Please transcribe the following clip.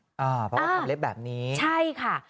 เพราะว่าทำเล็บแบบนี้ใช่ค่ะ